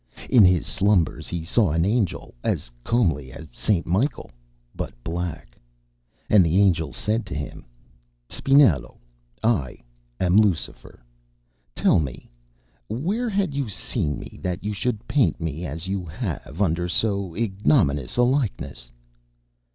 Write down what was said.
In his slumbers he saw an Angel as comely as St. Michael, but black; and the Angel said to him: "Spinello, I am Lucifer. Tell me, where had you seen me, that you should paint me as you have, under so ignominious a likeness?"